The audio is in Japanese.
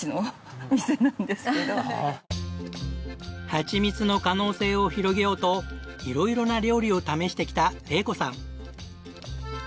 はちみつの可能性を広げようと色々な料理を試してきた玲子さん。